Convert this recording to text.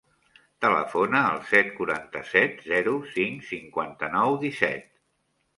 Telefona al set, quaranta-set, zero, cinc, cinquanta-nou, disset.